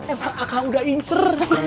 emang akang udah incer